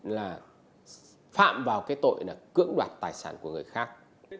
là phạm vào cái tội là cưỡng đoạt tài sản của người khác